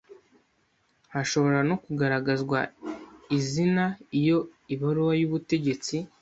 hashobora no kugaragazwa izina iyo ibaruwa y’ubutegetsi